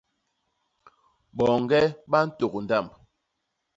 Boñge ba ntôk ndamb.